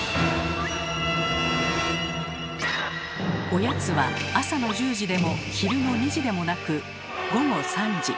おやつは朝の１０時でも昼の２時でもなく午後３時。